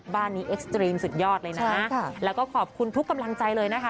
บ้านนี้สุดยอดเลยนะฮะแล้วก็ขอบคุณทุกกำลังใจเลยนะคะ